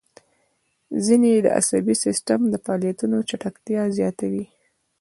ځینې یې د عصبي سیستم د فعالیتونو چټکتیا زیاتوي.